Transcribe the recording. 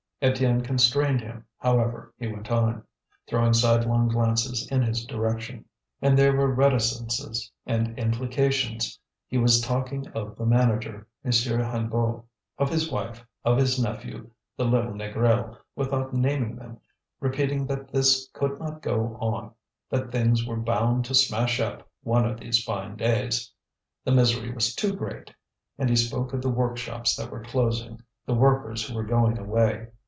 Étienne constrained him. However he went on, throwing sidelong glances in his direction. And there were reticences, and implications; he was talking of the manager, M. Hennebeau, of his wife, of his nephew, the little Négrel, without naming them, repeating that this could not go on, that things were bound to smash up one of these fine days. The misery was too great; and he spoke of the workshops that were closing, the workers who were going away.